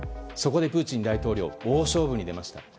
そこでプーチン大統領大勝負に出ました。